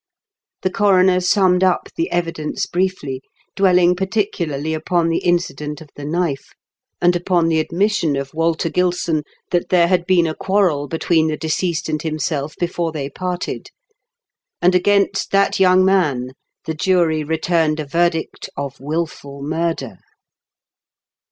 The coroner summed up the evidence briefly, dwelling particularly upon the incident of the knife, and upon the admission of Walter Gilson that there had been a quarrel between the deceased and himself before they parted, and against that young man the jury returned a verdict of wilful murder.